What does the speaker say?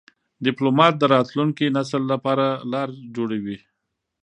ډيپلومات د راتلونکي نسل لپاره لار جوړوي.